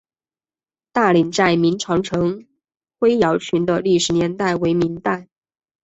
大岭寨明长城灰窑群的历史年代为明代。